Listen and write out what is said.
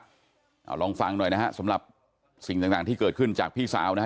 เอาลองฟังหน่อยนะฮะสำหรับสิ่งต่างที่เกิดขึ้นจากพี่สาวนะฮะ